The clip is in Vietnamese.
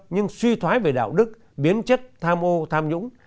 nhưng suy thoái về đạo đức biến chất tham ô tham nhũng